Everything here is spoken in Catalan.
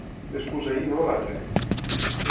Despús-ahir no l'altre.